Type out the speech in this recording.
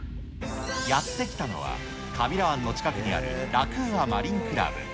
やって来たのは、川平湾の近くにあるラクーアマリンクラブ。